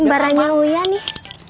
embaranya wuyah nih